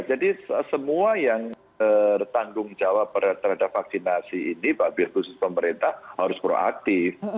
jadi semua yang bertanggung jawab terhadap vaksinasi ini pak bios pusus pemerintah harus proaktif